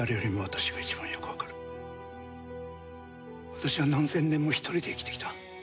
私は何千年も一人で生きてきた。